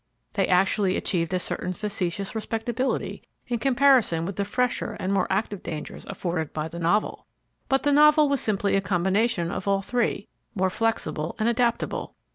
They actually achieved a certain factitious respectability in comparison with the fresher and more active dangers afforded by the Novel. But the Novel was simply a combination of all three, more flexible and adaptable.